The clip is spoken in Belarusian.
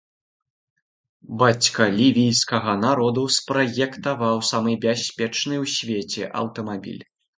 Бацька лівійскага народу спраектаваў самы бяспечны ў свеце аўтамабіль.